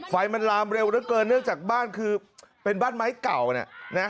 ไฟมันลามเร็วเหลือเกินเนื่องจากบ้านคือเป็นบ้านไม้เก่าเนี่ยนะ